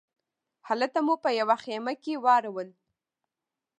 هلته مو په یوه خیمه کې واړول.